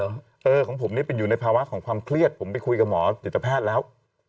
เออของผมนี่เป็นอยู่ในภาวะของความเครียดผมไปคุยกับหมอจิตแพทย์แล้ว